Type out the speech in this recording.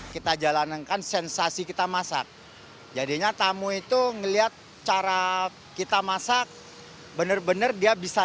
kita jalankan sensasi kita masak jadinya tamu itu ngeliat cara kita masak bener bener dia bisa